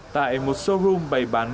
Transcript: tại một showroom bày bán